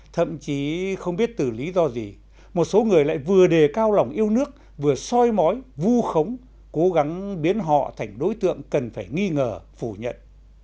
thậm chí không biết từ lý do gì một số người lại vừa đề cao lòng yêu nước vừa soi mói vu khống cố gắng biến họ thành đối tượng cần phải nghi ngờ phủ nhận